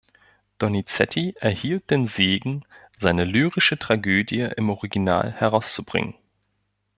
Donizetti erhielt den Segen, seine lyrische Tragödie im Original herauszubringen.